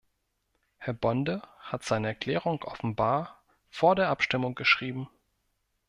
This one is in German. Herr Bonde hat seine Erklärung offenbar vor der Abstimmung geschrieben.